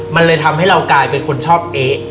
มันเลยทำให้เรากลายเป็นคนชอบเอ๊ะ